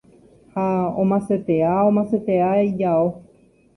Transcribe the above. ha omasetea omasetea ijao